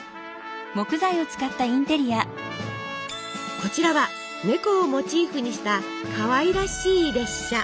こちらは猫をモチーフにしたかわいらしい列車。